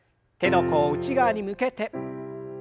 手の甲を内側に向けて。